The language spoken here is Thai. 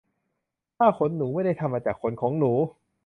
ผ้าขนหนู ไม่ได้ทำมาจากขนของหนู